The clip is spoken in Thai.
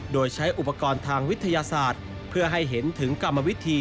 โดยใช้อุปกรณ์ทางวิทยาศาสตร์เพื่อให้เห็นถึงกรรมวิธี